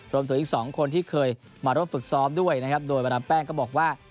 รวมถึงอีก๒คนที่เคยมาร่วมฝึกซ้อมด้วยนะครับโดยมาดามแป้งก็บอกว่า